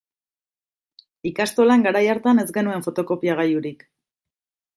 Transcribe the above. Ikastolan garai hartan ez genuen fotokopiagailurik.